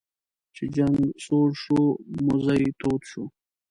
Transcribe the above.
چې جنګ سوړ شو موذي تود شو.